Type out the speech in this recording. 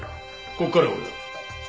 ここからは俺が。